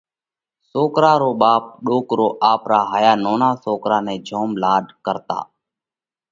سوڪرا رو ٻاپ ڏوڪرو آپرا هايا نونا سوڪرا نئہ جوم لاڏ ڪرتا